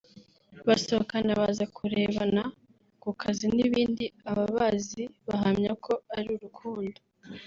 basohokana baza kurebana ku kazi n’ibindi ababazi bahamya ko ari urukundo